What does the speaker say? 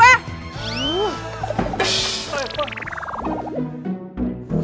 ya ampun pak